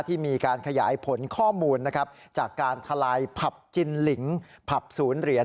ที่มีการขยายผลข้อมูลนะครับจากการทลายผับจินลิงผับศูนย์เหรียญ